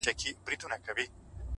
o د ميني اوبه وبهېږي ـ